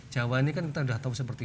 jawa ini kan kita sudah tahu seperti